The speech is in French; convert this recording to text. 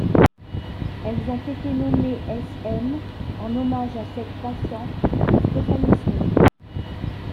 Elles ont été nommées Sm en hommage à cette patiente, Stéphanie Smith.